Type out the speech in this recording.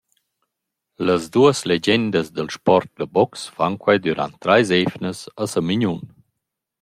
Las duos legendas dal sport da box fan quai dürant trais eivnas a Samignun.